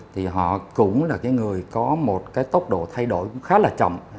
thì họ cũng là cái người có một cái tốc độ thay đổi khá là chậm